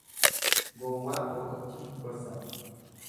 Gowwaa boo'icha hin gorsan.